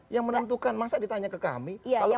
yang menentukan masa ditanya ke kami